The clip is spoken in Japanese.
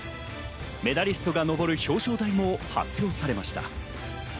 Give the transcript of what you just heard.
メダリストが上る表彰台も発表されました。